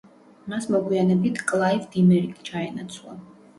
მას მოგვიანებით კლაივ დიმერი ჩაენაცვლა.